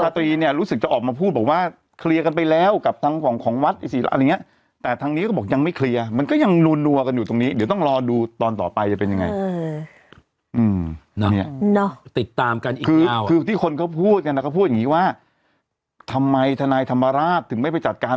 ที่คนเขาพูดกันแล้วก็พูดอย่างงี้ว่าทำไมทนายธรรมราชถึงไม่ไปจัดการ